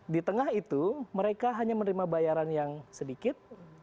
di tengah itu mereka hanya menerima bayaran yang sedikit